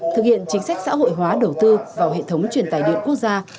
thực hiện chính sách xã hội hóa đầu tư vào hệ thống truyền tài điện quốc gia